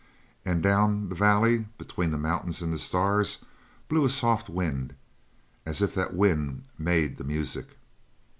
And down the valley, between the mountains and the stars, blew a soft wind; as if that wind made the music.